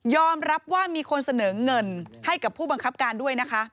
รับว่ามีคนเสนอเงินให้กับผู้บังคับการด้วยนะคะ